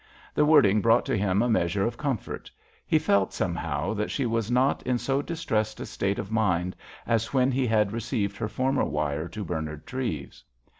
The wording brought to him a measure of comfort; he felt, somehow, that she was not in so distressed a state of mind as when he had received her former wire to Bernard Treves.